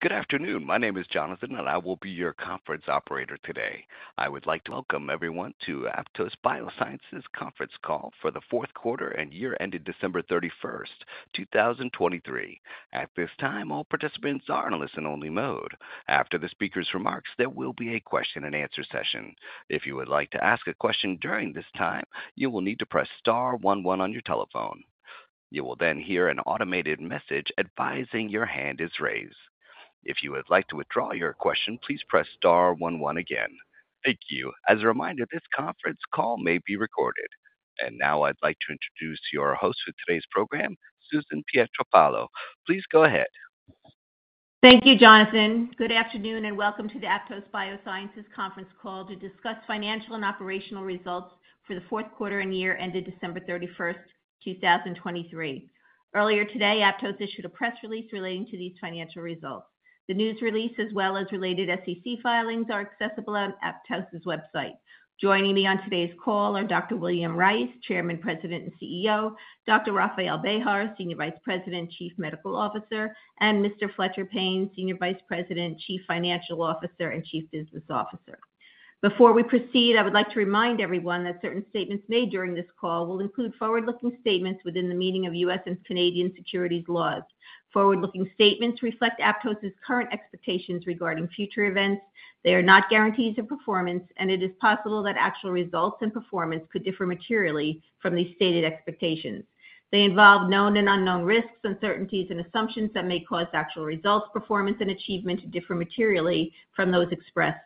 Good afternoon. My name is Jonathan, and I will be your conference operator today. I would like to welcome everyone to Aptose Biosciences conference call for the fourth quarter and year ended December 31, 2023. At this time, all participants are in a listen-only mode. After the speaker's remarks, there will be a question and answer session. If you would like to ask a question during this time, you will need to press star one one on your telephone. You will then hear an automated message advising your hand is raised. If you would like to withdraw your question, please press star one one again. Thank you. As a reminder, this conference call may be recorded. Now I'd like to introduce your host for today's program, Susan Pietropaolo. Please go ahead. Thank you, Jonathan. Good afternoon, and welcome to the Aptose Biosciences conference call to discuss financial and operational results for the fourth quarter and year ended December 31st, 2023. Earlier today, Aptose issued a press release relating to these financial results. The news release, as well as related SEC filings, are accessible on Aptose's website. Joining me on today's call are Dr. William Rice, Chairman, President, and CEO; Dr. Rafael Bejar, Senior Vice President, Chief Medical Officer; and Mr. Fletcher Payne, Senior Vice President, Chief Financial Officer, and Chief Business Officer. Before we proceed, I would like to remind everyone that certain statements made during this call will include forward-looking statements within the meaning of U.S. and Canadian securities laws. Forward-looking statements reflect Aptose's current expectations regarding future events. They are not guarantees of performance, and it is possible that actual results and performance could differ materially from these stated expectations. They involve known and unknown risks, uncertainties, and assumptions that may cause actual results, performance, and achievement to differ materially from those expressed.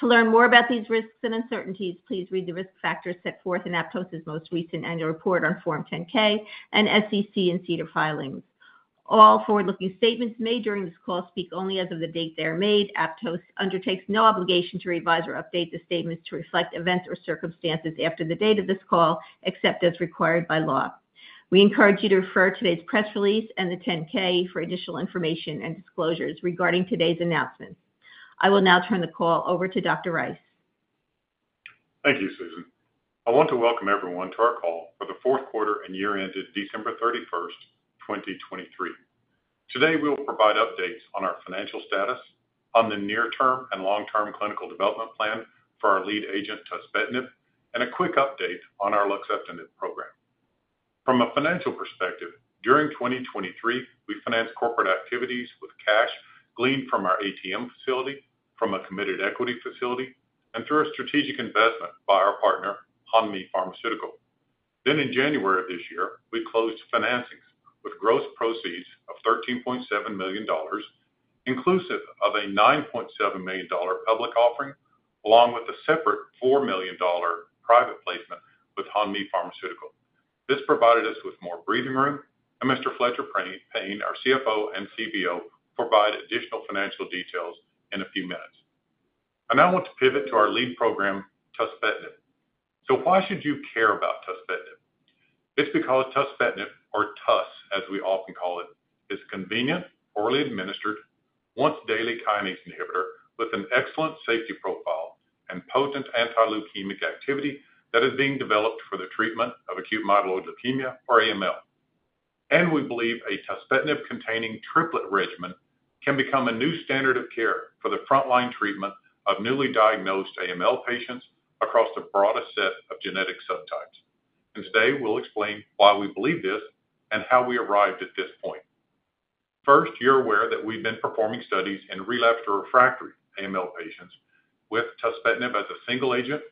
To learn more about these risks and uncertainties, please read the risk factors set forth in Aptose's most recent annual report on Form 10-K and SEC and SEDAR filings. All forward-looking statements made during this call speak only as of the date they are made. Aptose undertakes no obligation to revise or update the statements to reflect events or circumstances after the date of this call, except as required by law. We encourage you to refer to today's press release and the 10-K for additional information and disclosures regarding today's announcements. I will now turn the call over to Dr. Rice. Thank you, Susan. I want to welcome everyone to our call for the fourth quarter and year ended December 31, 2023. Today, we will provide updates on our financial status, on the near-term and long-term clinical development plan for our lead agent, tuspetinib, and a quick update on our luxeptinib program. From a financial perspective, during 2023, we financed corporate activities with cash gleaned from our ATM facility, from a committed equity facility, and through a strategic investment by our partner, Hanmi Pharmaceutical. Then in January of this year, we closed financings with gross proceeds of $13.7 million, inclusive of a $9.7 million public offering, along with a separate $4 million private placement with Hanmi Pharmaceutical. This provided us with more breathing room, and Mr. Fletcher Payne, our CFO and CBO, provide additional financial details in a few minutes. I now want to pivot to our lead program, tuspetinib. So why should you care about tuspetinib? It's because tuspetinib, or tus, as we often call it, is convenient, orally administered, once daily kinase inhibitor with an excellent safety profile and potent anti-leukemic activity that is being developed for the treatment of acute myeloid leukemia, or AML. We believe a tuspetinib-containing triplet regimen can become a new standard of care for the frontline treatment of newly diagnosed AML patients across the broadest set of genetic subtypes. Today, we'll explain why we believe this and how we arrived at this point. First, you're aware that we've been performing studies in relapsed or refractory AML patients with tuspetinib as a single agent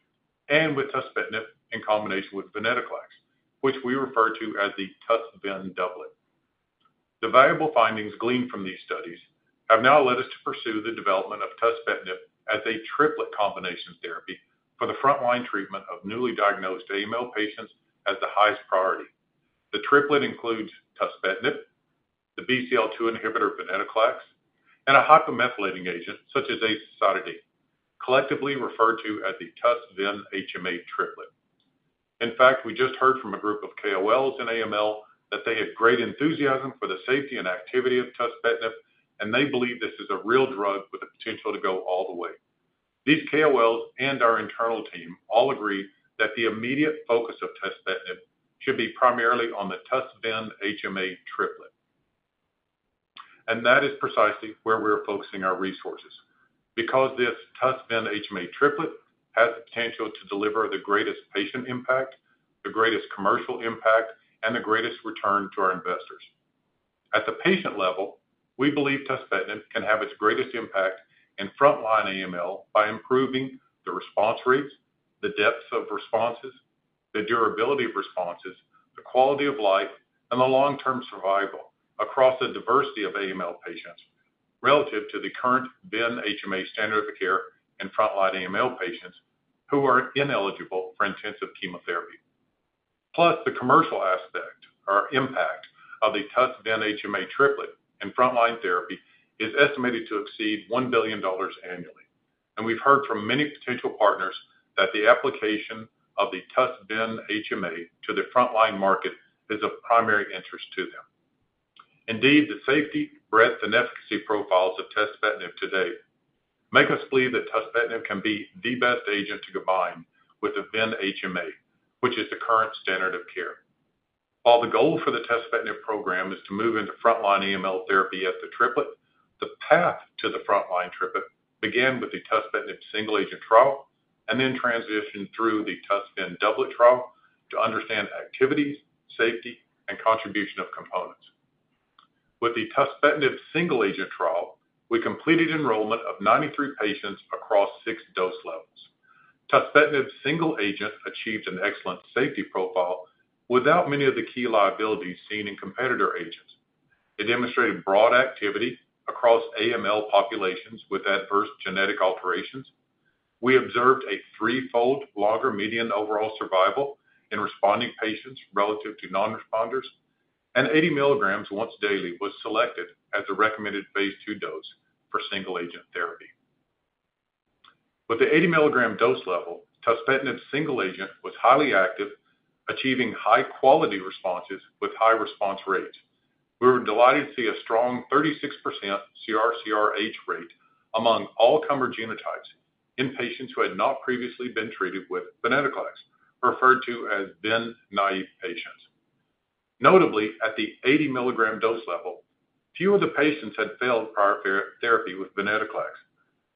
and with tuspetinib in combination with venetoclax, which we refer to as the TUS-VEN doublet. The valuable findings gleaned from these studies have now led us to pursue the development of tuspetinib as a triplet combination therapy for the frontline treatment of newly diagnosed AML patients as the highest priority. The triplet includes tuspetinib, the BCL-2 inhibitor, venetoclax, and a hypomethylating agent, such as azacitidine, collectively referred to as the TUS-VEN-HMA triplet. In fact, we just heard from a group of KOLs in AML that they had great enthusiasm for the safety and activity of tuspetinib, and they believe this is a real drug with the potential to go all the way. These KOLs and our internal team all agree that the immediate focus of tuspetinib should be primarily on the TUS-VEN-HMA triplet. That is precisely where we're focusing our resources, because this TUS-VEN-HMA triplet has the potential to deliver the greatest patient impact, the greatest commercial impact, and the greatest return to our investors. At the patient level, we believe tuspetinib can have its greatest impact in frontline AML by improving the response rates, the depths of responses, the durability of responses, the quality of life, and the long-term survival across the diversity of AML patients relative to the current VEN-HMA standard of care in frontline AML patients who are ineligible for intensive chemotherapy. Plus, the commercial aspect or impact of the TUS-VEN-HMA triplet in frontline therapy is estimated to exceed $1 billion annually. We've heard from many potential partners that the application of the TUS-VEN-HMA to the frontline market is of primary interest to them. Indeed, the safety, breadth, and efficacy profiles of tuspetinib to date... make us believe that tuspetinib can be the best agent to combine with the VEN-HMA, which is the current standard of care. While the goal for the tuspetinib program is to move into frontline AML therapy as the triplet, the path to the frontline triplet began with the tuspetinib single agent trial and then transitioned through the TUS-VEN doublet trial to understand activities, safety, and contribution of components. With the tuspetinib single-agent trial, we completed enrollment of 93 patients across six dose levels. Tuspetinib single agent achieved an excellent safety profile without many of the key liabilities seen in competitor agents. It demonstrated broad activity across AML populations with adverse genetic alterations. We observed a threefold longer median overall survival in responding patients relative to non-responders, and 80 milligrams once daily was selected as the recommended phase 2 dose for single agent therapy. With the 80 mg dose level, tuspetinib single agent was highly active, achieving high-quality responses with high response rates. We were delighted to see a strong 36% CR/CRh rate among all comer genotypes in patients who had not previously been treated with venetoclax, referred to as VEN naive patients. Notably, at the 80 mg dose level, few of the patients had failed prior therapy with venetoclax.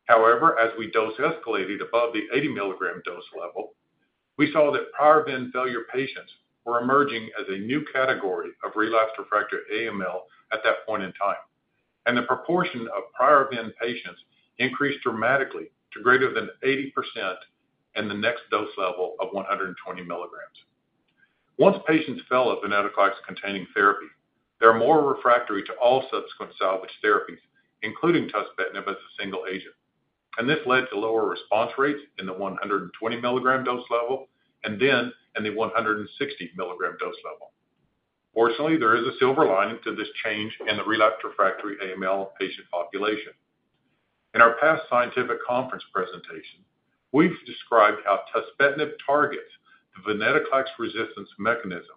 However, as we dose escalated above the 80 mg dose level, we saw that prior VEN failure patients were emerging as a new category of relapsed refractory AML at that point in time, and the proportion of prior VEN patients increased dramatically to greater than 80% in the next dose level of 120 mg. Once patients fail a venetoclax-containing therapy, they are more refractory to all subsequent salvage therapies, including tuspetinib as a single agent, and this led to lower response rates in the 120 milligram dose level and then in the 160 milligram dose level. Fortunately, there is a silver lining to this change in the relapsed refractory AML patient population. In our past scientific conference presentation, we've described how tuspetinib targets the venetoclax resistance mechanism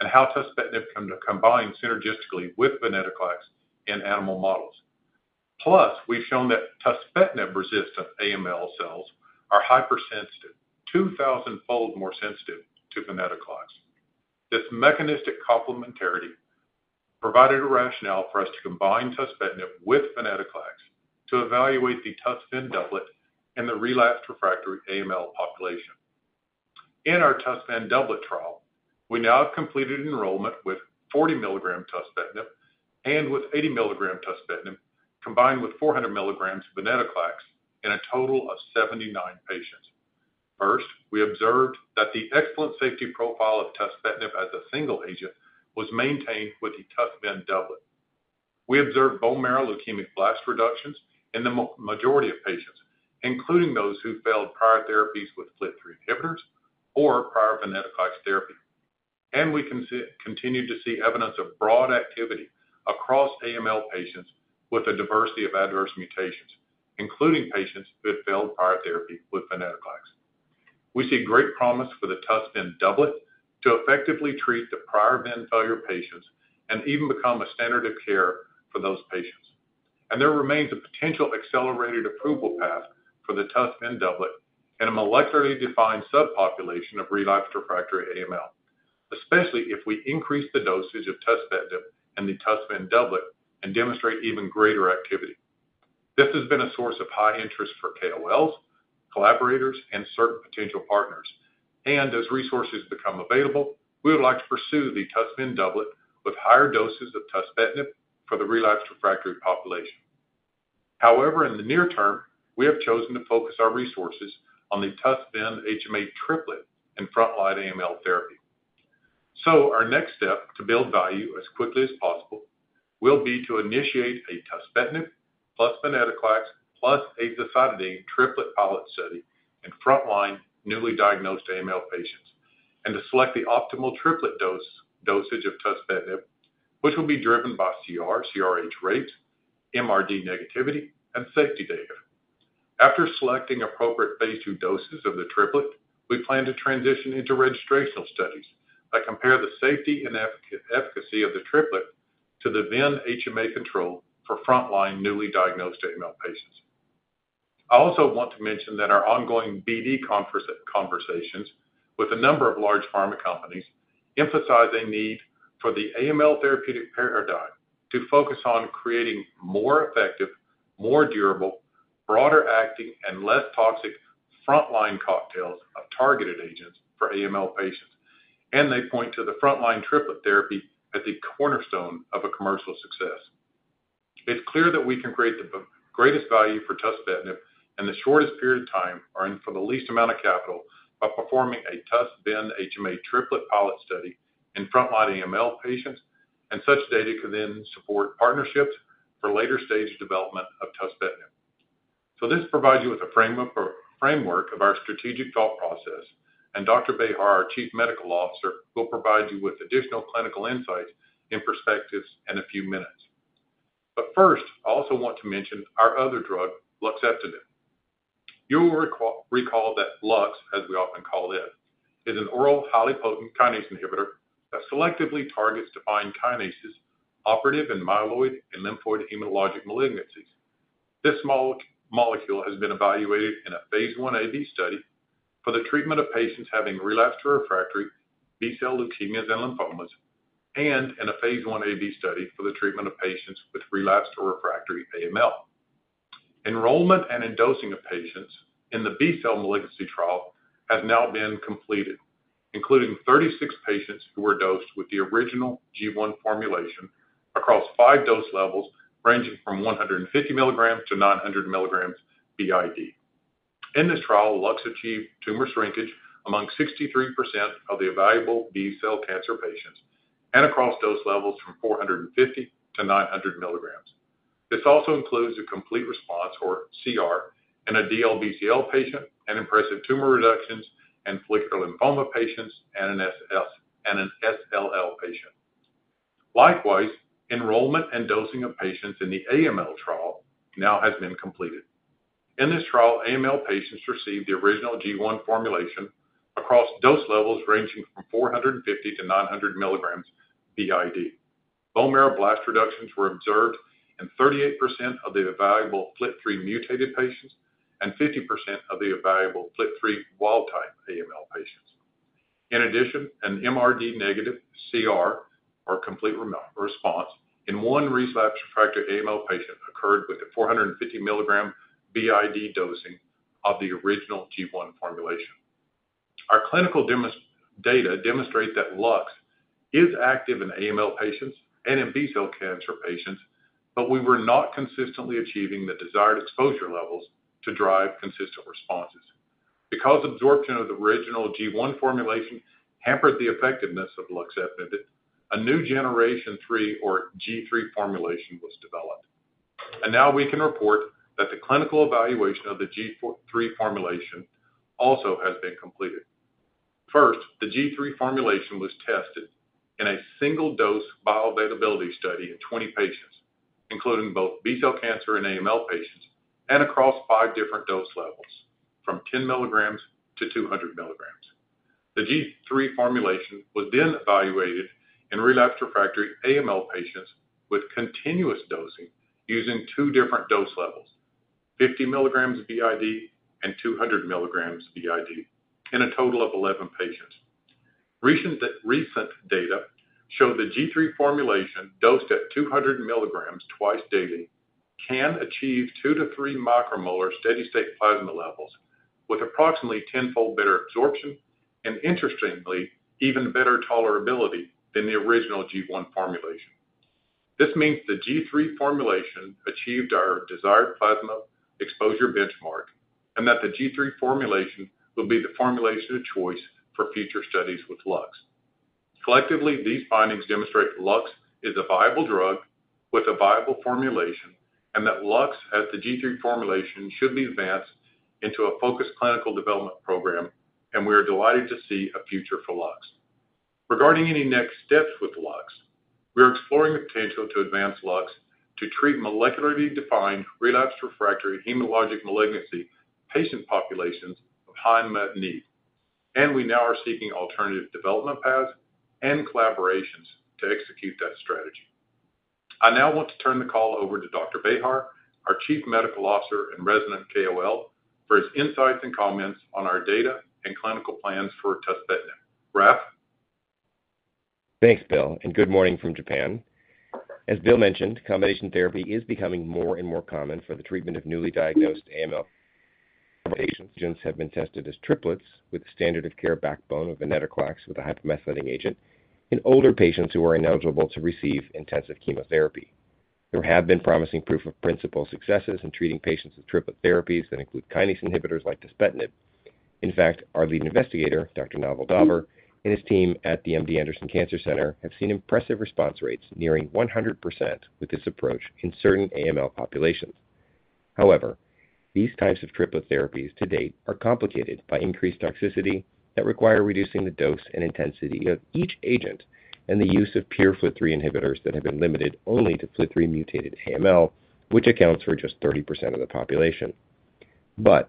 and how tuspetinib come to combine synergistically with venetoclax in animal models. Plus, we've shown that tuspetinib-resistant AML cells are hypersensitive 2,000-fold more sensitive to venetoclax. This mechanistic complementarity provided a rationale for us to combine tuspetinib with venetoclax to evaluate the TUS-VEN doublet in the relapsed refractory AML population. In our TUS-VEN doublet trial, we now have completed enrollment with 40 mg tuspetinib and with 80 mg tuspetinib, combined with 400 mg venetoclax in a total of 79 patients. First, we observed that the excellent safety profile of tuspetinib as a single agent was maintained with the TUS-VEN doublet. We observed bone marrow leukemic blast reductions in the majority of patients, including those who failed prior therapies with FLT3 inhibitors or prior venetoclax therapy. And we continue to see evidence of broad activity across AML patients with a diversity of adverse mutations, including patients who had failed prior therapy with venetoclax. We see great promise for the TUS-VEN doublet to effectively treat the prior VEN failure patients and even become a standard of care for those patients. There remains a potential accelerated approval path for the TUS-VEN doublet in a molecularly defined subpopulation of relapsed refractory AML, especially if we increase the dosage of tuspetinib in the TUS-VEN doublet and demonstrate even greater activity. This has been a source of high interest for KOLs, collaborators, and certain potential partners, and as resources become available, we would like to pursue the TUS-VEN doublet with higher doses of tuspetinib for the relapsed refractory population. However, in the near term, we have chosen to focus our resources on the TUS-VEN-HMA triplet in frontline AML therapy. Our next step to build value as quickly as possible will be to initiate a tuspetinib, plus venetoclax, plus azacitidine triplet pilot study in frontline newly diagnosed AML patients, and to select the optimal triplet dosage of tuspetinib, which will be driven by CR, CRh rates, MRD negativity, and safety data. After selecting appropriate phase 2 doses of the triplet, we plan to transition into registrational studies that compare the safety and efficacy of the triplet to the VEN-HMA control for frontline newly diagnosed AML patients. I also want to mention that our ongoing BD conversations with a number of large pharma companies emphasize a need for the AML therapeutic paradigm to focus on creating more effective, more durable, broader acting, and less toxic frontline cocktails of targeted agents for AML patients, and they point to the frontline triplet therapy as the cornerstone of a commercial success. It's clear that we can create the greatest value for tuspetinib in the shortest period of time or for the least amount of capital by performing a TUS-VEN-HMA triplet pilot study in frontline AML patients, and such data can then support partnerships for later stage development of tuspetinib. So this provides you with a framework of our strategic thought process, and Dr. Bejar, our Chief Medical Officer, will provide you with additional clinical insight and perspectives in a few minutes. But first, I also want to mention our other drug, luxeptinib. You will recall that LUX, as we often call it, is an oral, highly potent kinase inhibitor that selectively targets defined kinases operative in myeloid and lymphoid hematologic malignancies. This molecule has been evaluated in a Phase 1a/b study for the treatment of patients having relapsed or refractory B-cell leukemias and lymphomas, and in a Phase 1a/b study for the treatment of patients with relapsed or refractory AML. Enrollment and dosing of patients in the B-cell malignancy trial has now been completed, including 36 patients who were dosed with the original G1 formulation across 5 dose levels, ranging from 150 mg to 900 mg BID. In this trial, LUX achieved tumor shrinkage among 63% of the evaluable B-cell cancer patients and across dose levels from 450 to 900 mg. This also includes a complete response, or CR, in a DLBCL patient, and impressive tumor reductions in follicular lymphoma patients and an SLL patient. Likewise, enrollment and dosing of patients in the AML trial now has been completed. In this trial, AML patients received the original G1 formulation across dose levels ranging from 450 to 900 mg BID. Bone marrow blast reductions were observed in 38% of the evaluable FLT3-mutated patients and 50% of the evaluable FLT3 wild-type AML patients. In addition, an MRD negative CR, or complete response, in one relapsed refractory AML patient occurred with a 450 mg BID dosing of the original G1 formulation. Our clinical demo data demonstrate that LUX is active in AML patients and in B-cell cancer patients, but we were not consistently achieving the desired exposure levels to drive consistent responses. Because absorption of the original G1 formulation hampered the effectiveness of luxeptinib, a new generation 3 or G3 formulation was developed. Now we can report that the clinical evaluation of the G3 formulation also has been completed. First, the G3 formulation was tested in a single-dose bioavailability study in 20 patients, including both B-cell cancer and AML patients, and across 5 different dose levels, from 10 milligrams to 200 milligrams. The G3 formulation was then evaluated in relapsed refractory AML patients with continuous dosing using two different dose levels, 50 milligrams BID and 200 milligrams BID, in a total of 11 patients. Recent data show the G3 formulation, dosed at 200 milligrams twice daily, can achieve 2-3 micromolar steady-state plasma levels with approximately 10-fold better absorption and, interestingly, even better tolerability than the original G1 formulation. This means the G3 formulation achieved our desired plasma exposure benchmark and that the G3 formulation will be the formulation of choice for future studies with LUX. Collectively, these findings demonstrate LUX is a viable drug with a viable formulation, and that LUX as the G3 formulation should be advanced into a focused clinical development program, and we are delighted to see a future for LUX. Regarding any next steps with LUX, we are exploring the potential to advance LUX to treat molecularly defined, relapsed, refractory hematologic malignancy patient populations of high unmet need. We now are seeking alternative development paths and collaborations to execute that strategy. I now want to turn the call over to Dr. Bejar, our Chief Medical Officer and resident KOL, for his insights and comments on our data and clinical plans for tuspetinib. Raf? Thanks, Bill, and good morning from Japan. As Bill mentioned, combination therapy is becoming more and more common for the treatment of newly diagnosed AML. Patients have been tested as triplets with the standard of care backbone of venetoclax with a hypomethylating agent in older patients who are ineligible to receive intensive chemotherapy. There have been promising proof of principle successes in treating patients with triple therapies that include kinase inhibitors like tuspetinib. In fact, our lead investigator, Dr. Naval Daver, and his team at the MD Anderson Cancer Center, have seen impressive response rates nearing 100% with this approach in certain AML populations. However, these types of triple therapies to date are complicated by increased toxicity that require reducing the dose and intensity of each agent and the use of pure FLT3 inhibitors that have been limited only to FLT3-mutated AML, which accounts for just 30% of the population. But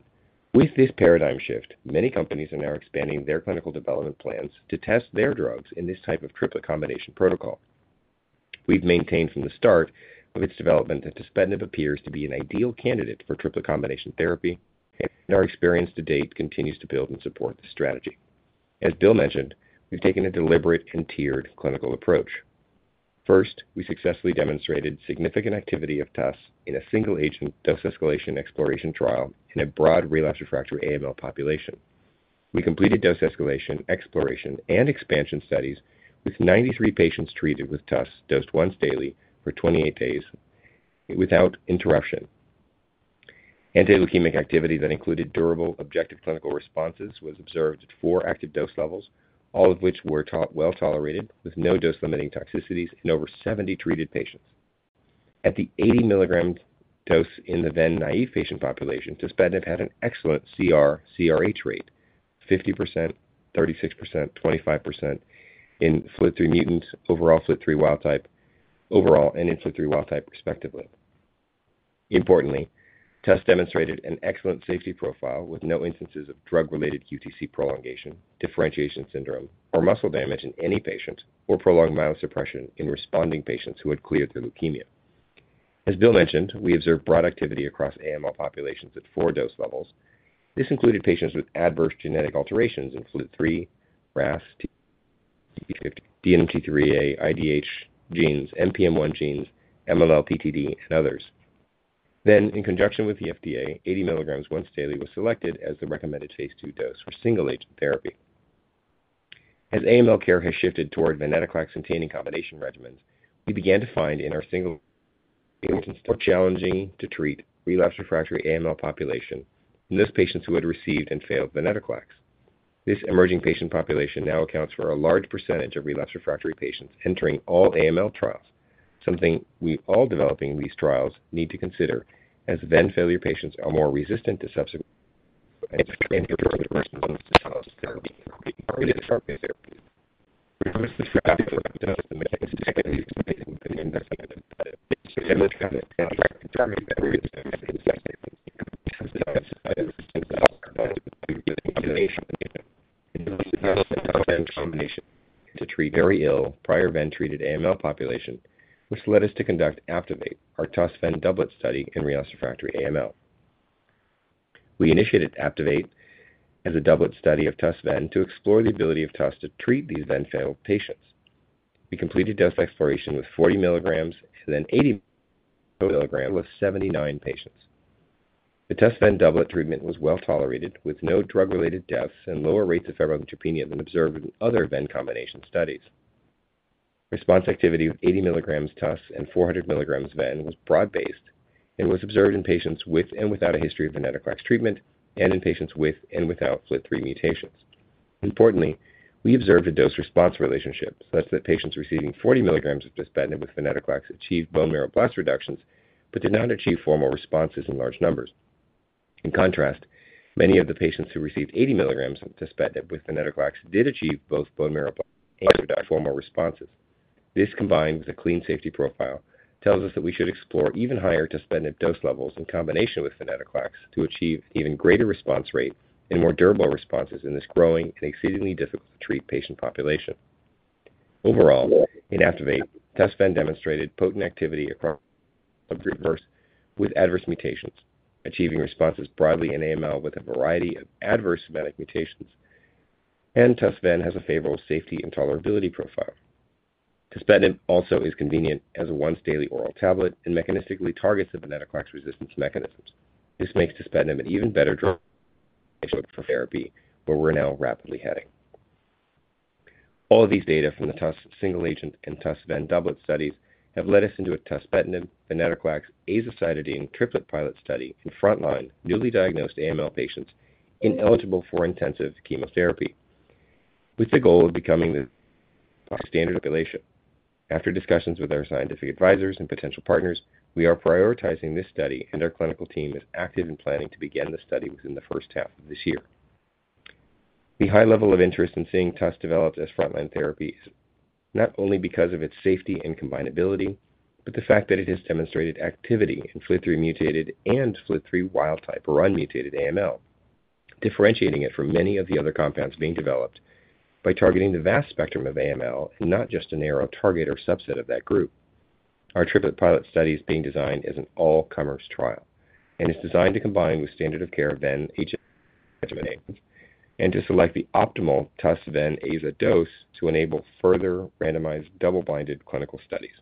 with this paradigm shift, many companies are now expanding their clinical development plans to test their drugs in this type of triple combination protocol. We've maintained from the start of its development that tuspetinib appears to be an ideal candidate for triple combination therapy, and our experience to date continues to build and support the strategy. As Bill mentioned, we've taken a deliberate and tiered clinical approach. First, we successfully demonstrated significant activity of tus in a single-agent dose escalation exploration trial in a broad relapsed refractory AML population. We completed dose escalation, exploration, and expansion studies with 93 patients treated with tuspetinib, dosed once daily for 28 days without interruption. Antileukemic activity that included durable, objective clinical responses was observed at four active dose levels, all of which were well tolerated, with no dose-limiting toxicities in over 70 treated patients. At the 80 milligram dose in the treatment-naive patient population, tuspetinib had an excellent CR/CRh rate: 50%, 36%, 25% in FLT3 mutant, Overall, and FLT3 wild type overall and FLT3 wild type, respectively. Importantly, TUS demonstrated an excellent safety profile with no instances of drug-related QTc prolongation, differentiation syndrome, or muscle damage in any patient, or prolonged myelosuppression in responding patients who had cleared their leukemia. As Bill mentioned, we observed broad activity across AML populations at four dose levels. This included patients with adverse genetic alterations in FLT3, RAS, TP53, DNMT3A, IDH genes, NPM1 genes, MLL-PTD, and others. Then, in conjunction with the FDA, 80 milligrams once daily was selected as the recommended phase II dose for single-agent therapy. As AML care has shifted toward venetoclax-containing combination regimens, we began to find in our single agent challenging to treat relapsed refractory AML population, and those patients who had received and failed venetoclax. This emerging patient population now accounts for a large percentage of relapsed refractory patients entering all AML trials, something we all developing these trials need to consider, as ven failure patients are more resistant to subsequent and therapy. Prior to the therapy, we noticed this after the mechanism to treat very ill prior ven-treated AML population, which led us to conduct APTIVATE, our TUS-VEN doublet study in relapsed refractory AML. We initiated APTIVATE as a doublet study of TUS-VEN to explore the ability of TUS to treat these ven-failed patients. We completed dose exploration with 40 milligrams and then 80 milligrams with 79 patients. The TUS-VEN doublet treatment was well tolerated, with no drug-related deaths and lower rates of febrile neutropenia than observed in other ven combination studies. Response activity with 80 milligrams TUS and 400 milligrams ven was broad-based and was observed in patients with and without a history of venetoclax treatment and in patients with and without FLT3 mutations. Importantly, we observed a dose-response relationship, such that patients receiving 40 milligrams of tuspetinib with venetoclax achieved bone marrow blast reductions, but did not achieve formal responses in large numbers. In contrast, many of the patients who received 80 milligrams of tuspetinib with venetoclax did achieve both bone marrow and formal responses. This, combined with a clean safety profile, tells us that we should explore even higher tuspetinib dose levels in combination with venetoclax to achieve even greater response rate and more durable responses in this growing and exceedingly difficult-to-treat patient population. Overall, in APTIVATE, TUS-VEN demonstrated potent activity across a group versus with adverse mutations, achieving responses broadly in AML with a variety of adverse somatic mutations, and TUS-VEN has a favorable safety and tolerability profile. Tuspetinib also is convenient as a once-daily oral tablet and mechanistically targets the venetoclax resistance mechanisms. This makes tuspetinib an even better drug for therapy, where we're now rapidly heading. All of these data from the TUS single agent and TUS-VEN doublet studies have led us into a tuspetinib, venetoclax, azacitidine triplet pilot study in frontline, newly diagnosed AML patients ineligible for intensive chemotherapy, with the goal of becoming the standard population. After discussions with our scientific advisors and potential partners, we are prioritizing this study, and our clinical team is active in planning to begin the study within the first half of this year. The high level of interest in seeing TUS developed as frontline therapy is not only because of its safety and combinability, but the fact that it has demonstrated activity in FLT3-mutated and FLT3 wild type or unmutated AML, differentiating it from many of the other compounds being developed by targeting the vast spectrum of AML and not just a narrow target or subset of that group. Our triplet pilot study is being designed as an all-comers trial and is designed to combine with standard of care, ven HMA, and to select the optimal TUS-VEN AZA dose to enable further randomized, double-blinded clinical studies.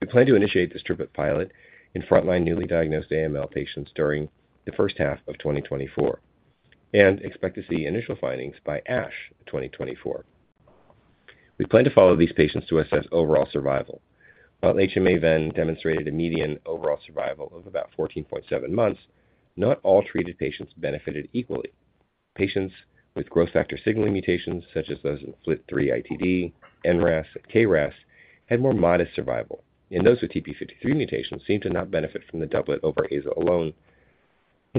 We plan to initiate this triplet pilot in frontline, newly diagnosed AML patients during the first half of 2024 and expect to see initial findings by ASH 2024. We plan to follow these patients to assess overall survival. While HMA-Ven demonstrated a median overall survival of about 14.7 months, not all treated patients benefited equally. Patients with growth factor signaling mutations, such as those in FLT3-ITD, NRAS, and KRAS, had more modest survival, and those with TP53 mutations seemed to not benefit from the doublet over AZA alone.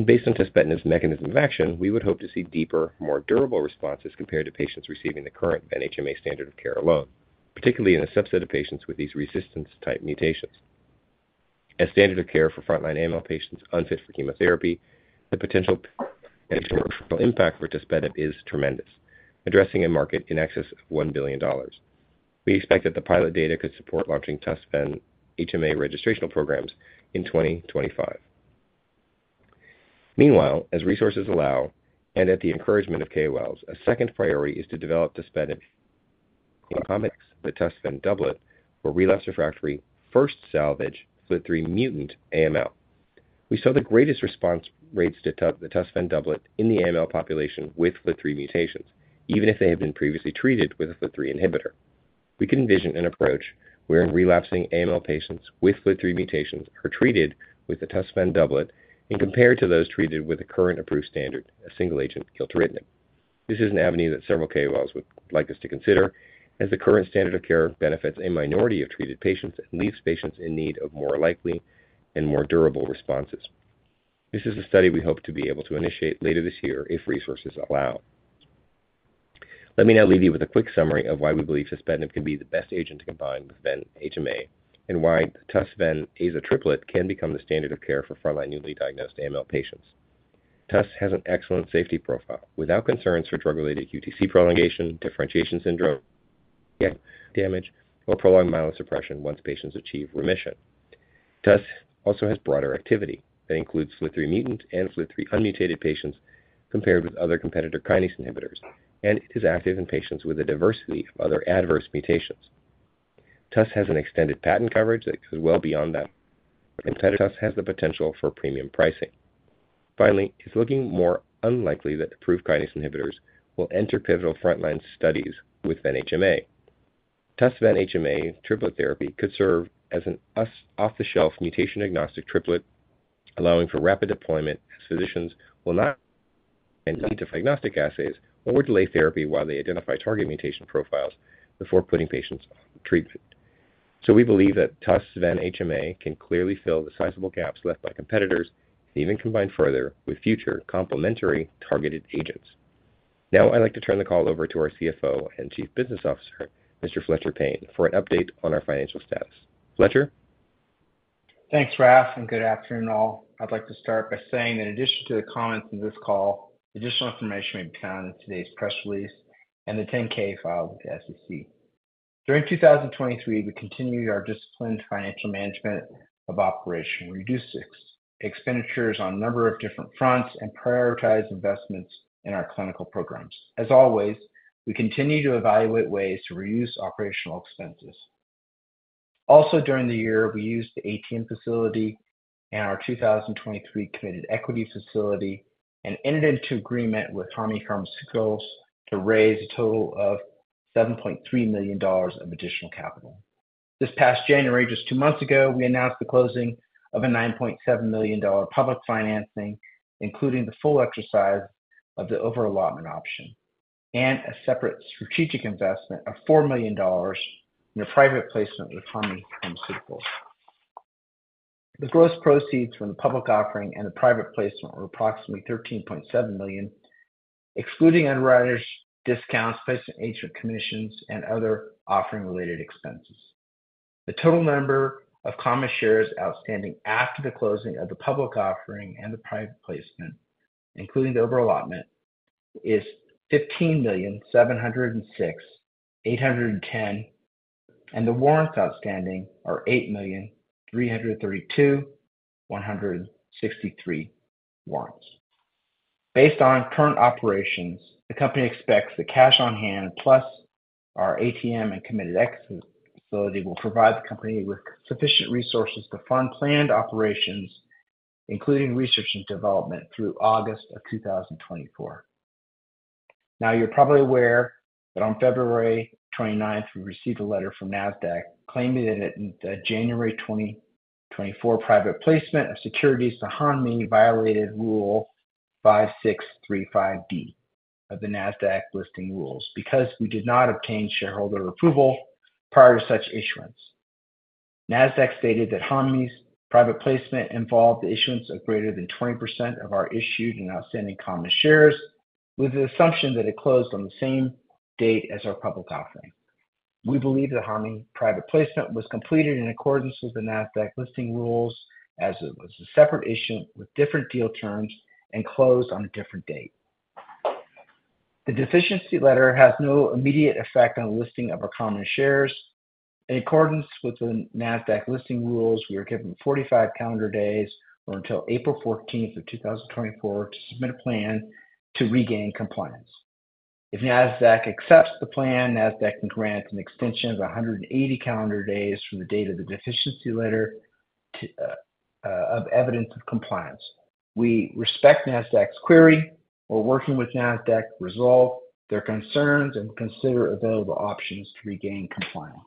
Based on tuspetinib's mechanism of action, we would hope to see deeper, more durable responses compared to patients receiving the current Ven-HMA standard of care alone, particularly in a subset of patients with these resistance-type mutations. As standard of care for frontline AML patients unfit for chemotherapy, the potential impact for tuspetinib is tremendous, addressing a market in excess of $1 billion. We expect that the pilot data could support launching TUS-VEN HMA registrational programs in 2025. Meanwhile, as resources allow and at the encouragement of KOLs, a second priority is to develop tuspetinib in the TUS-VEN doublet for relapsed refractory first-salvage FLT3 mutant AML. We saw the greatest response rates to the TUS-VEN doublet in the AML population with FLT3 mutations, even if they had been previously treated with a FLT3 inhibitor. We can envision an approach wherein relapsing AML patients with FLT3 mutations are treated with the TUS-VEN doublet and compared to those treated with the current approved standard, a single-agent gilteritinib. This is an avenue that several KOLs would like us to consider, as the current standard of care benefits a minority of treated patients and leaves patients in need of more likely and more durable responses. This is a study we hope to be able to initiate later this year if resources allow. Let me now leave you with a quick summary of why we believe tuspetinib can be the best agent to combine with Ven-HMA, and why TUS-VEN AZA triplet can become the standard of care for frontline newly diagnosed AML patients. TUS has an excellent safety profile, without concerns for drug-related QTc prolongation, differentiation syndrome, damage, or prolonged myelosuppression once patients achieve remission. TUS also has broader activity that includes FLT3 mutant and FLT3 unmutated patients, compared with other competitor kinase inhibitors, and it is active in patients with a diversity of other adverse mutations. TUS has an extended patent coverage that goes well beyond that, and TUS has the potential for premium pricing. Finally, it's looking more unlikely that approved kinase inhibitors will enter pivotal frontline studies with Ven-HMA. TUS-VEN HMA triplet therapy could serve as an off-the-shelf mutation-agnostic triplet, allowing for rapid deployment, as physicians will not need to order diagnostic assays or delay therapy while they identify target mutation profiles before putting patients on treatment. So we believe that TUS-VEN HMA can clearly fill the sizable gaps left by competitors and even combine further with future complementary targeted agents. Now, I'd like to turn the call over to our CFO and Chief Business Officer, Mr. Fletcher Payne, for an update on our financial status. Fletcher? Thanks, Raf, and good afternoon all. I'd like to start by saying, in addition to the comments in this call, additional information may be found in today's press release and the 10-K filed with the SEC. During 2023, we continued our disciplined financial management of operation, reduced expenditures on a number of different fronts, and prioritized investments in our clinical programs. As always, we continue to evaluate ways to reduce operational expenses. Also, during the year, we used the ATM facility and our 2023 committed equity facility and entered into agreement with Hanmi Pharmaceutical to raise a total of $7.3 million of additional capital. This past January, just two months ago, we announced the closing of a $9.7 million public financing, including the full exercise of the over-allotment option and a separate strategic investment of $4 million in a private placement with Hanmi Pharmaceutical. The gross proceeds from the public offering and the private placement were approximately $13.7 million, excluding underwriters discounts, placement agent commissions, and other offering-related expenses. The total number of common shares outstanding after the closing of the public offering and the private placement, including the over-allotment, is 15,706,810, and the warrants outstanding are 8,332,163 warrants. Based on current operations, the company expects the cash on hand, plus our ATM and committed equity facility, will provide the company with sufficient resources to fund planned operations, including research and development, through August of 2024. Now, you're probably aware that on February 29th, we received a letter from Nasdaq claiming that it, the January 2024 private placement of securities to Hanmi violated Rule 5635B of the Nasdaq listing rules, because we did not obtain shareholder approval prior to such issuance. Nasdaq stated that Hanmi's private placement involved the issuance of greater than 20% of our issued and outstanding common shares, with the assumption that it closed on the same date as our public offering. We believe that Hanmi private placement was completed in accordance with the Nasdaq listing rules, as it was a separate issue with different deal terms and closed on a different date. The deficiency letter has no immediate effect on the listing of our common shares. In accordance with the Nasdaq listing rules, we are given 45 calendar days or until April fourteenth of 2024, to submit a plan to regain compliance. If Nasdaq accepts the plan, Nasdaq can grant an extension of 180 calendar days from the date of the deficiency letter to of evidence of compliance. We respect Nasdaq's query. We're working with Nasdaq to resolve their concerns and consider available options to regain compliance.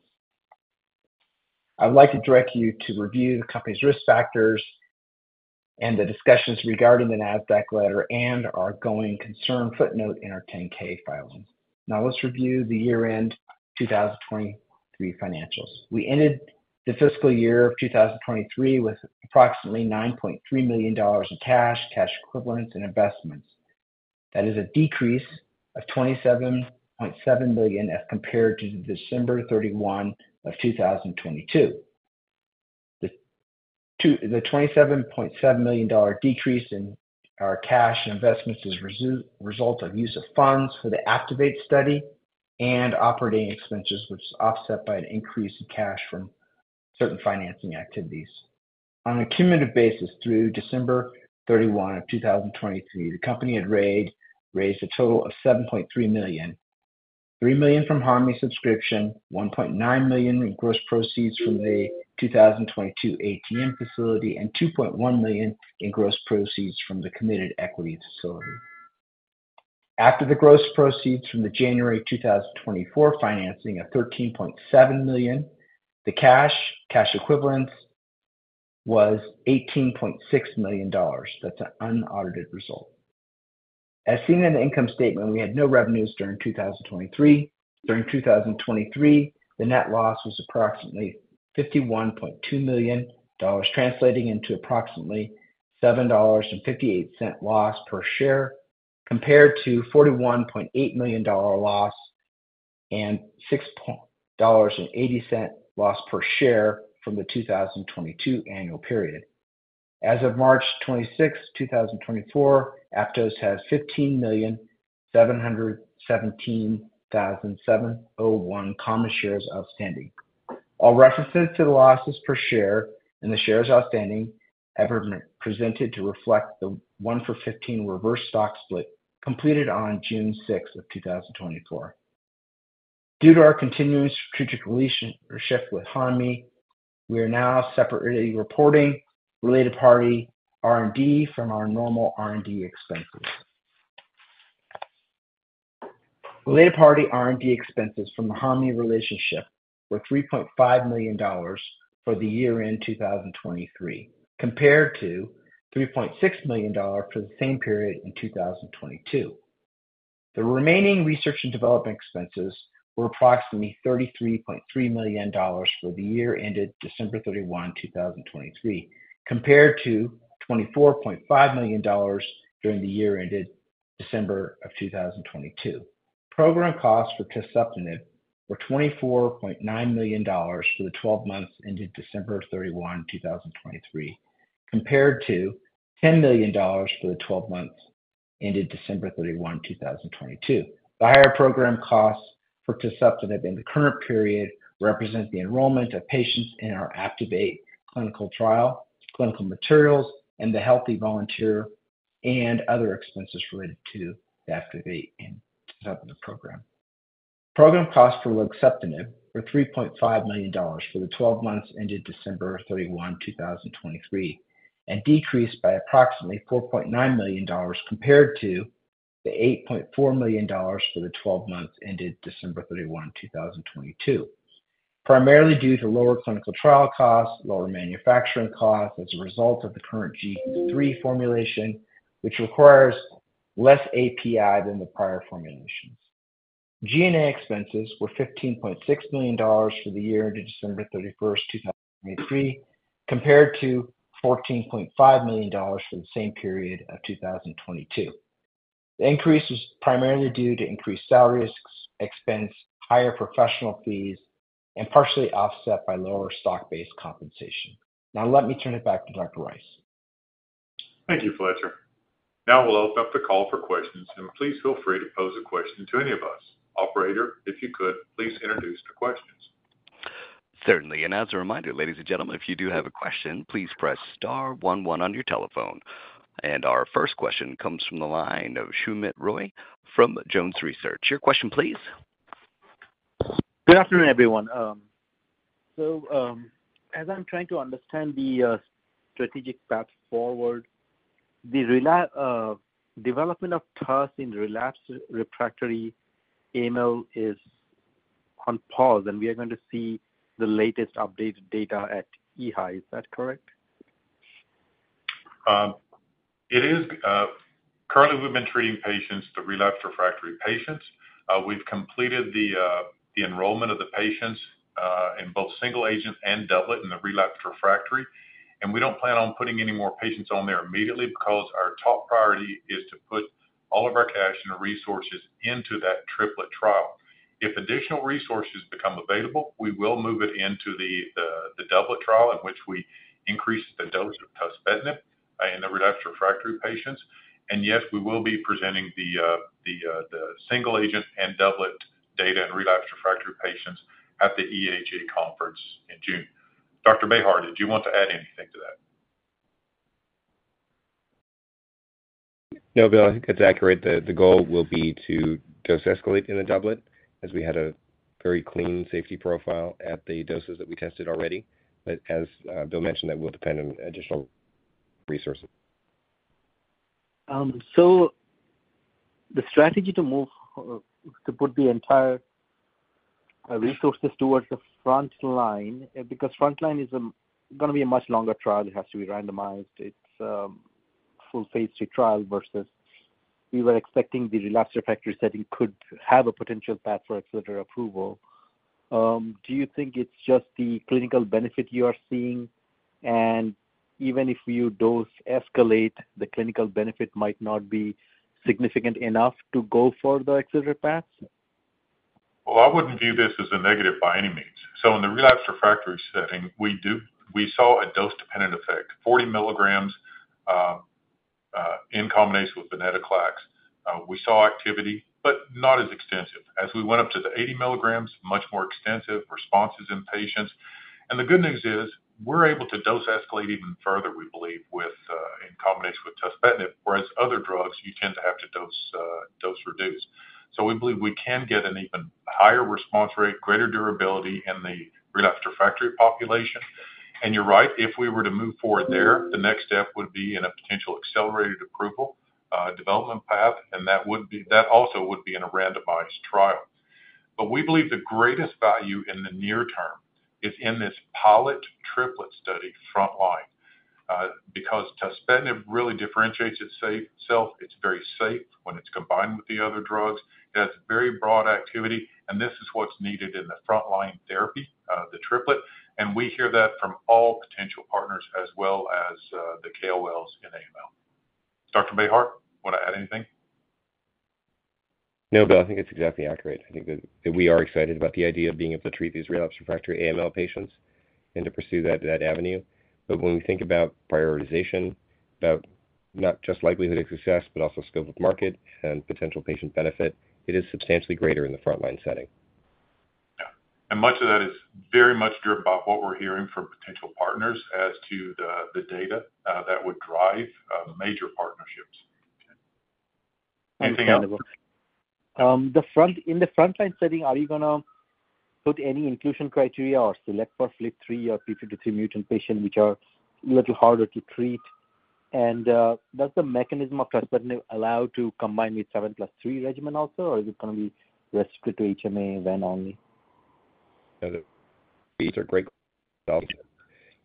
I'd like to direct you to review the company's risk factors and the discussions regarding the Nasdaq letter and our going concern footnote in our 10-K filing. Now, let's review the year-end 2023 financials. We ended the fiscal year of 2023 with approximately $9.3 million in cash, cash equivalents, and investments. That is a decrease of $27.7 million as compared to December 31, 2022. The $27.7 million dollar decrease in our cash and investments is result of use of funds for the APTIVATE study and operating expenses, which is offset by an increase in cash from certain financing activities. On a cumulative basis, through December 31, 2023, the company had raised a total of $7.3 million, $3 million from Hanmi subscription, $1.9 million in gross proceeds from the 2022 ATM facility, and $2.1 million in gross proceeds from the committed equity facility. After the gross proceeds from the January 2024 financing of $13.7 million, the cash, cash equivalents was $18.6 million. That's an unaudited result. As seen in the income statement, we had no revenues during 2023. During 2023, the net loss was approximately $51.2 million, translating into approximately $7.58 loss per share, compared to $41.8 million loss and $6.80 loss per share from the 2022 annual period. As of March 26, 2024, Aptose has 15,717,701 common shares outstanding. All references to the losses per share and the shares outstanding have been presented to reflect the 1-for-15 reverse stock split completed on June 6, 2024. Due to our continuing strategic relationship with Hanmi, we are now separately reporting related party R&D from our normal R&D expenses. Related party R&D expenses from the Hanmi relationship were $3.5 million for the year-end 2023, compared to $3.6 million for the same period in 2022. The remaining research and development expenses were approximately $33.3 million for the year ended December 31, 2023, compared to $24.5 million during the year ended December 2022. Program costs for tuspetinib were $24.9 million for the 12 months ended December 31, 2023, compared to $10 million for the 12 months ended December 31, 2022. The higher program costs for tuspetinib in the current period represent the enrollment of patients in our APTIVATE clinical trial, clinical materials, and the healthy volunteer and other expenses related to the APTIVATE and tuspetinib program. Program costs for luxeptinib were $3.5 million for the 12 months ended December 31, 2023, and decreased by approximately $4.9 million, compared to the $8.4 million for the 12 months ended December 31, 2022. Primarily due to lower clinical trial costs, lower manufacturing costs as a result of the current G3 formulation, which requires less API than the prior formulations. G&A expenses were $15.6 million for the year ended December 31, 2023, compared to $14.5 million for the same period of 2022. The increase is primarily due to increased salaries, expense, higher professional fees, and partially offset by lower stock-based compensation. Now, let me turn it back to Dr. Rice. Thank you, Fletcher. Now we'll open up the call for questions, and please feel free to pose a question to any of us. Operator, if you could, please introduce the questions. Certainly. As a reminder, ladies and gentlemen, if you do have a question, please press star one one on your telephone. Our first question comes from the line of Soumit Roy from Jones Research. Your question, please. Good afternoon, everyone. As I'm trying to understand the strategic path forward, the development of TUS in relapsed refractory AML is on pause, and we are going to see the latest updated data at EHA, is that correct? It is currently, we've been treating patients to relapsed refractory patients. We've completed the enrollment of the patients in both single agent and doublet in the relapsed refractory. And we don't plan on putting any more patients on there immediately, because our top priority is to put all of our cash and resources into that triplet trial. If additional resources become available, we will move it into the doublet trial, in which we increase the dose of tuspetinib in the relapsed refractory patients. And yes, we will be presenting the single agent and doublet data in relapsed refractory patients at the EHA conference in June. Dr. Bejar, did you want to add anything to that? No, Bill, I think that's accurate. The goal will be to dose escalate in a doublet, as we had a very clean safety profile at the doses that we tested already. But as Bill mentioned, that will depend on additional resources. So the strategy to move to put the entire resources towards the front line, because frontline is gonna be a much longer trial. It has to be randomized. It's full phase 3 trial versus we were expecting the relapsed refractory setting could have a potential path for accelerated approval. Do you think it's just the clinical benefit you are seeing? And even if you dose escalate, the clinical benefit might not be significant enough to go for the accelerated path? Well, I wouldn't view this as a negative by any means. So in the relapsed refractory setting, we saw a dose-dependent effect, 40 milligrams in combination with venetoclax. We saw activity, but not as extensive. As we went up to the 80 milligrams, much more extensive responses in patients. And the good news is, we're able to dose escalate even further, we believe, in combination with tuspetinib, whereas other drugs, you tend to have to dose reduce. So we believe we can get an even higher response rate, greater durability in the relapsed refractory population. And you're right, if we were to move forward there, the next step would be in a potential accelerated approval development path, and that would also be in a randomized trial. But we believe the greatest value in the near term is in this pilot triplet study frontline.... Because tuspetinib really differentiates itself, it's very safe when it's combined with the other drugs. It has very broad activity, and this is what's needed in the frontline therapy, the triplet, and we hear that from all potential partners as well as the KOLs in AML. Dr. Bejar, want to add anything? No, Bill, I think it's exactly accurate. I think that we are excited about the idea of being able to treat these relapsed refractory AML patients and to pursue that, that avenue. But when we think about prioritization, about not just likelihood of success, but also scope of market and potential patient benefit, it is substantially greater in the frontline setting. Yeah. And much of that is very much driven by what we're hearing from potential partners as to the data that would drive major partnerships. Anything else? In the frontline setting, are you gonna put any inclusion criteria or select for FLT3 or TP53 mutant patients, which are a little harder to treat? Does the mechanism of tuspetinib allow to combine with seven plus three regimen also, or is it gonna be restricted to HMA-Ven only? These are great,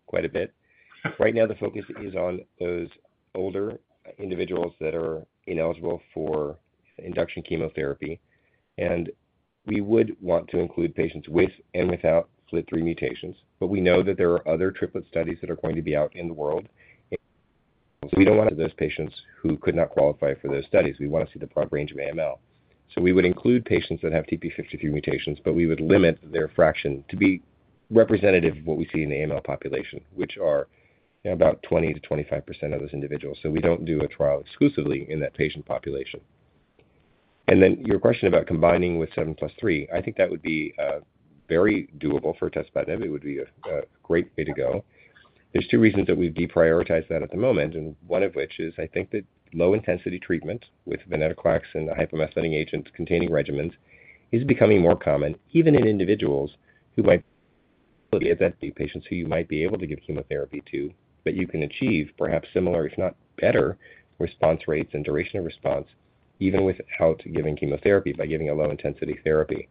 quite a bit. Right now, the focus is on those older individuals that are ineligible for induction chemotherapy, and we would want to include patients with and without FLT3 mutations. But we know that there are other triplet studies that are going to be out in the world. So we don't want those patients who could not qualify for those studies. We want to see the broad range of AML. So we would include patients that have TP53 mutations, but we would limit their fraction to be representative of what we see in the AML population, which are about 20%-25% of those individuals. So we don't do a trial exclusively in that patient population. And then your question about combining with 7+3, I think that would be very doable for tuspetinib. It would be a great way to go. There's two reasons that we've deprioritized that at the moment, and one of which is I think that low-intensity treatment with venetoclax and hypomethylating agents-containing regimens is becoming more common, even in individuals who might be patients who you might be able to give chemotherapy to, but you can achieve perhaps similar, if not better, response rates and duration of response, even without giving chemotherapy, by giving a low-intensity therapy.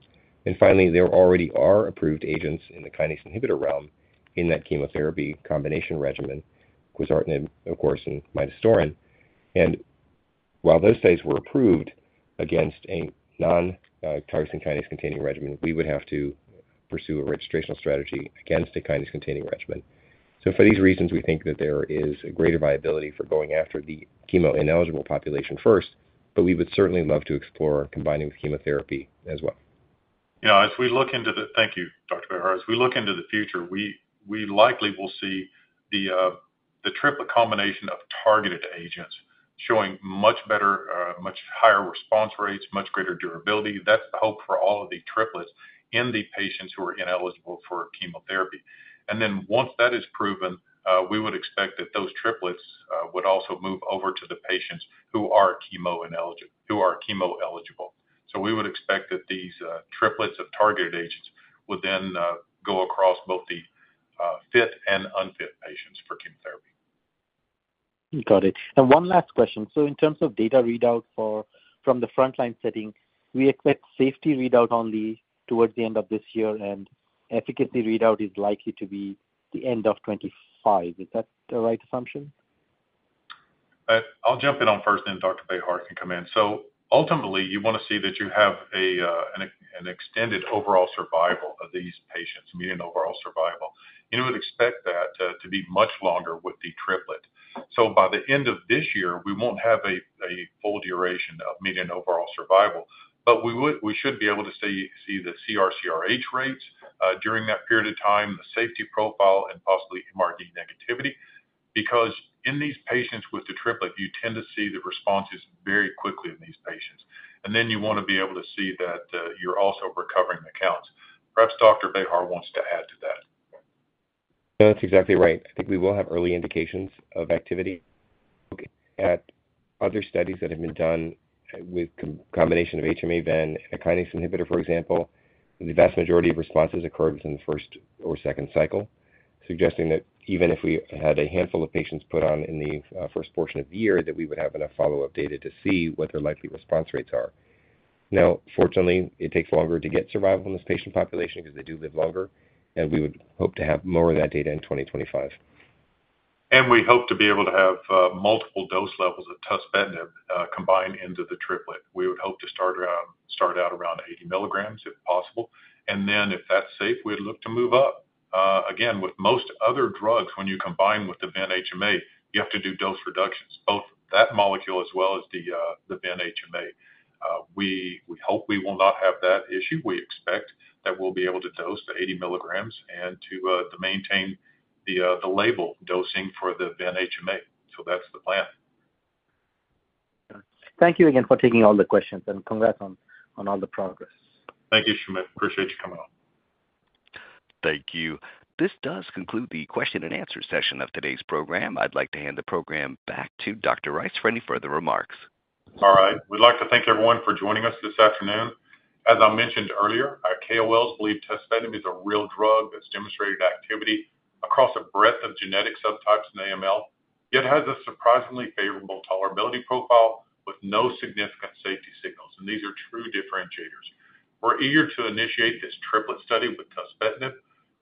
Finally, there already are approved agents in the kinase inhibitor realm in that chemotherapy combination regimen, quizartinib, of course, and midostaurin. While those studies were approved against a non-tyrosine kinase-containing regimen, we would have to pursue a registrational strategy against a kinase-containing regimen. For these reasons, we think that there is a greater viability for going after the chemo-ineligible population first, but we would certainly love to explore combining with chemotherapy as well. Thank you, Dr. Bejar. As we look into the future, we likely will see the triplet combination of targeted agents showing much better, much higher response rates, much greater durability. That's the hope for all of the triplets in the patients who are ineligible for chemotherapy. And then once that is proven, we would expect that those triplets would also move over to the patients who are chemo-eligible. So we would expect that these triplets of targeted agents would then go across both the fit and unfit patients for chemotherapy. Got it. And one last question. So in terms of data readout from the frontline setting, we expect safety readout only towards the end of this year, and efficacy readout is likely to be the end of 2025. Is that the right assumption? I'll jump in first, then Dr. Bejar can come in. So ultimately, you want to see that you have an extended overall survival of these patients, median overall survival. You would expect that to be much longer with the triplet. So by the end of this year, we won't have a full duration of median overall survival, but we should be able to see the CR/CRh rates during that period of time, the safety profile, and possibly MRD negativity, because in these patients with the triplet, you tend to see the responses very quickly in these patients. And then you want to be able to see that you're also recovering counts. Perhaps Dr. Bejar wants to add to that. No, that's exactly right. I think we will have early indications of activity at other studies that have been done with combination of HMA, then a kinase inhibitor, for example. The vast majority of responses occurred in the first or second cycle, suggesting that even if we had a handful of patients put on in the first portion of the year, that we would have enough follow-up data to see what their likely response rates are. Now, fortunately, it takes longer to get survival in this patient population because they do live longer, and we would hope to have more of that data in 2025. We hope to be able to have multiple dose levels of tuspetinib combined into the triplet. We would hope to start out around 80 milligrams, if possible, and then if that's safe, we'd look to move up. Again, with most other drugs, when you combine with the Ven-HMA, you have to do dose reductions, both that molecule as well as the Ven-HMA. We hope we will not have that issue. We expect that we'll be able to dose the 80 milligrams and to maintain the label dosing for the Ven-HMA. That's the plan. Thank you again for taking all the questions, and congrats on all the progress. Thank you, Soumit. Appreciate you coming on. Thank you. This does conclude the question and answer session of today's program. I'd like to hand the program back to Dr. Rice for any further remarks. All right. We'd like to thank everyone for joining us this afternoon. As I mentioned earlier, our KOLs believe tuspetinib is a real drug. It's demonstrated activity across a breadth of genetic subtypes in AML, yet has a surprisingly favorable tolerability profile with no significant safety signals, and these are true differentiators. We're eager to initiate this triplet study with tuspetinib,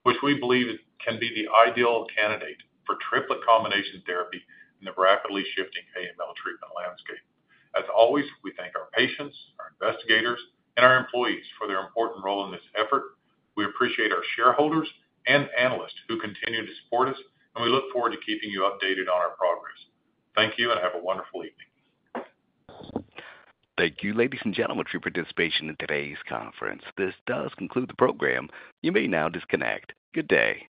which we believe can be the ideal candidate for triplet combination therapy in the rapidly shifting AML treatment landscape. As always, we thank our patients, our investigators, and our employees for their important role in this effort. We appreciate our shareholders and analysts who continue to support us, and we look forward to keeping you updated on our progress. Thank you and have a wonderful evening. Thank you, ladies and gentlemen, for your participation in today's conference. This does conclude the program. You may now disconnect. Good day.